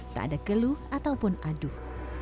tak ada geluh ataupun aduh